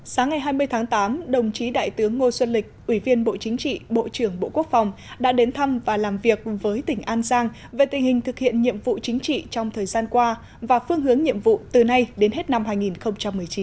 sáng ngày hai mươi tháng tám đồng chí đại tướng ngô xuân lịch ủy viên bộ chính trị bộ trưởng bộ quốc phòng đã đến thăm và làm việc với tỉnh an giang về tình hình thực hiện nhiệm vụ chính trị trong thời gian qua và phương hướng nhiệm vụ từ nay đến hết năm hai nghìn một mươi chín